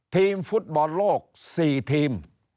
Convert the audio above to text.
ทีมฟุตบอลโลก๔ทีม